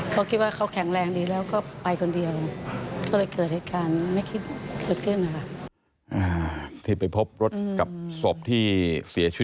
เขาคิดว่าเขาแข็งแรงดีแล้วก็ไปคนเดียว